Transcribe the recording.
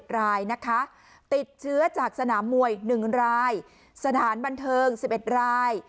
๑รายนะคะติดเชื้อจากสนามมวย๑รายสถานบันเทิง๑๑ราย